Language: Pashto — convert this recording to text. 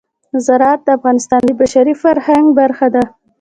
زراعت د افغانستان د بشري فرهنګ برخه ده.